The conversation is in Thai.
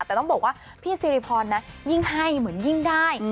แต่ต้องบอกว่าพี่ซิริพรนะยิ่งให้เหมือนยิ่งได้